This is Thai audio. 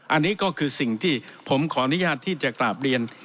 อันนี้ก็คือสิ่งที่ผมขออนุญาตที่จะกราบเรียน